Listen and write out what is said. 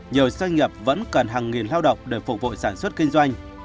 nhiều doanh nghiệp vẫn cần hàng nghìn lao động để phục vụ sản xuất kinh doanh